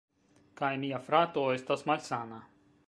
Kaj mia frato estas malsana.